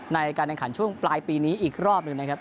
ในการแข่งขันช่วงปลายปีนี้อีกรอบหนึ่งนะครับ